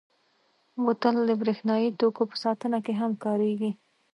بوتل د برېښنايي توکو په ساتنه کې هم کارېږي.